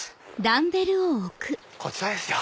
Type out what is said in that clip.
こちらですよ。